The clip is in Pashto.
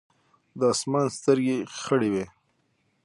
د اسمان سترګې خړې وې ـ